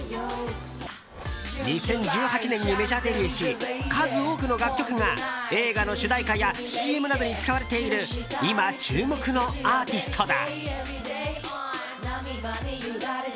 ２０１８年にメジャーデビューし数多くの楽曲が映画の主題歌やＣＭなどに使われている今、注目のアーティストだ。